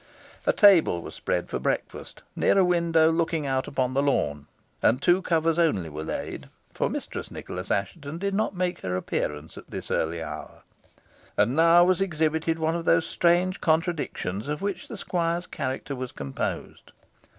A table was spread for breakfast, near a window looking out upon the lawn, and two covers only were laid, for Mistress Nicholas Assheton did not make her appearance at this early hour. And now was exhibited one of those strange contradictions of which the squire's character was composed.